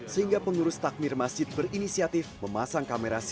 sehingga pengurus takmir masjid berinisiatif memasang kamera cct